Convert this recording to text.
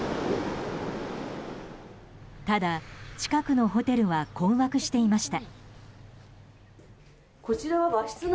ただ、近くのホテルは困惑していました。